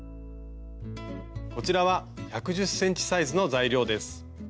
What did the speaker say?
こちらは１１０ｃｍサイズの材料です。